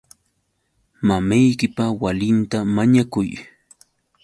Mamaykipa walinta mañakuy.